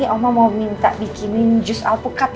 oma mau minta bikinin jus alpukat